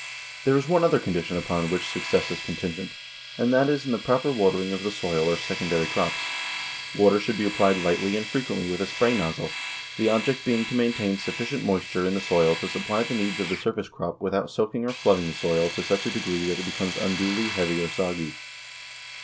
There is one other condition upon which success is contingent, and that is in the proper watering of the soil or secondary crops. Water should be applied lightly and frequently with a spray nozzle, the object being to maintain sufficient moisture in the soil to supply the needs of the surface crop without soaking or flooding the soil to such a degree that it becomes unduly heavy or soggy.